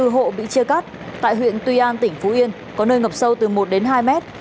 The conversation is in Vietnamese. bốn bảy trăm linh bốn hộ bị chia cắt tại huyện tuy an tỉnh phú yên có nơi ngập sâu từ một đến hai mét